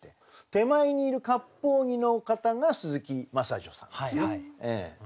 手前にいるかっぽう着の方が鈴木真砂女さんですね。